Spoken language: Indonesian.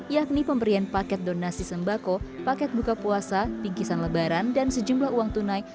yakni pemberian paket donasi sembako paket buka puasa bingkisan lebaran dan sejumlah uang tunai